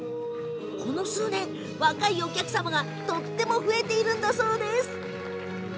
この数年、若いお客様がとっても増えているんだそうです。